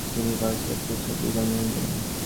তিনি ভার্সাই প্রাসাদে জন্মগ্রহণ করেন।